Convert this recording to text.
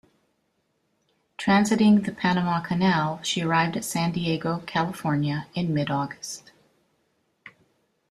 Transiting the Panama Canal, she arrived at San Diego, California, in mid-August.